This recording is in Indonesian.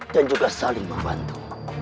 dan juga saling membantu